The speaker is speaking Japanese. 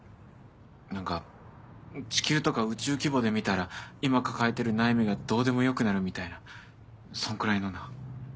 何か地球とか宇宙規模で見たら今抱えてる悩みがどうでもよくなるみたいなそんくらいのな。